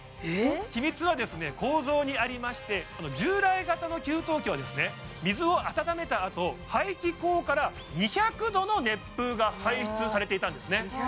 秘密は構造にありまして従来型の給湯器は水を温めたあと排気口から２００度の熱風が排出されていたんですね